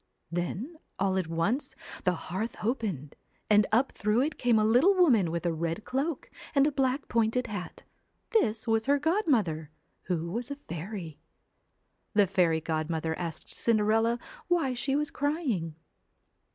Then all at once the hearth opened, and up through it came a little woman with a red cloak and a black pointed hat This was her godmother, who was a fairy. The fairy godmother asked Cinderella why she was crying.